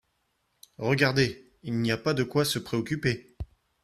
Regardez. Il n'y a pas de quoi se préoccuper.